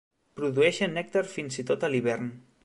Produeixen nèctar fins i tot a l'hivern.